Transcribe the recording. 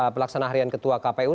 pelaksanaan harian kpu